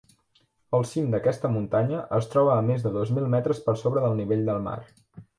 El cim d'aquesta muntanya es troba a més de dos mil metres per sobre del nivell del mar.